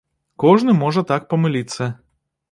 Кожны можа так памыліцца.